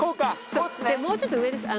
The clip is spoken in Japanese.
そうもうちょっと上です。